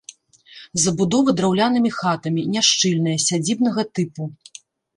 Забудова драўлянымі хатамі, няшчыльная, сядзібнага тыпу.